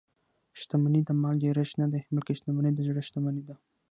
شتمني د مال ډېرښت نه دئ؛ بلکي شتمني د زړه شتمني ده.